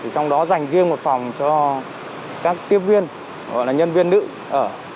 trong đó dành riêng một phòng cho các tiếp viên gọi là nhân viên nữ ở